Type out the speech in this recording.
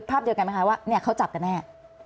ภาพเดียวกันไหมคะเขาจับกันแน่